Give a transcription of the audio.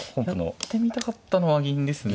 やってみたかったのは銀ですね。